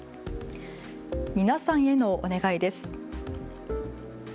皆さんへのお願いです。